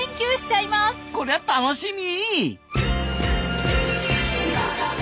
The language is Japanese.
こりゃ楽しみ！